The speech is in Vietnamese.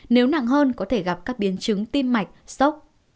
nếu nặng hơn có thể gặp các biến chứng tim mạch sốc